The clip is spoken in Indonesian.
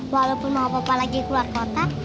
walaupun mama papa lagi keluar kota